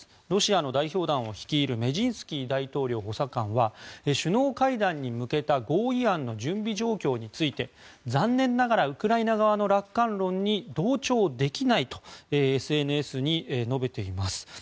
ロシアの代表団を率いるメジンスキー大統領補佐官は首脳会談に向けた合意案の準備状況について残念ながらウクライナ側の楽観論に同調できないとＳＮＳで述べています。